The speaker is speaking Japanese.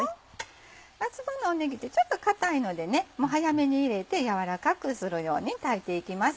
夏場のねぎってちょっと硬いので早めに入れて軟らかくするように炊いていきます。